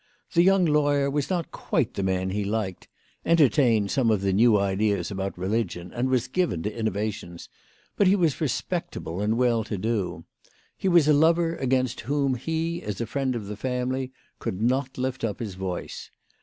The young lawyer was not quite the man he liked, entertained some of the new ideas about religion, and was given to innovations ; but he was respectable and well to do. He was a lover against whom he, as a friend of the family, could not lift up his voice.